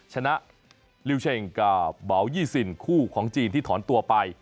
ชนะลิวเช่งกับเบายี่สิบคู่ของจีนที่ถอนตัวไป